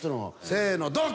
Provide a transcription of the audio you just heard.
「せーのドン。